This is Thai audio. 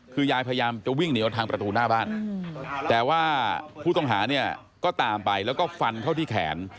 คือยายพยายามจะวิ่งเหนียวทางประตูหน้าบ้านแต่ว่าผู้ต้องหาเนี่ยก็ตามไปแล้วก็ฟันเข้าที่แขน